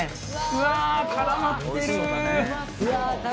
うわあ絡まってる！